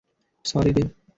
Sorry, রে।